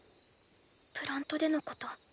プラントでのこと。